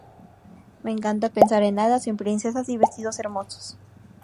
Me encanta pensar en hadas, en princesas y vestidos hermosos.